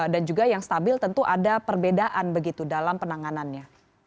dan juga yang stabil tentu ada perbedaan begitu dalam penanganannya